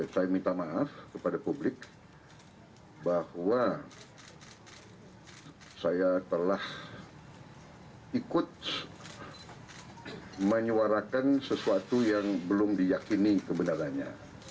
saya minta maaf kepada publik bahwa saya telah ikut menyuarakan sesuatu yang belum diyakini kebenarannya